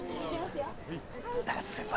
高瀬先輩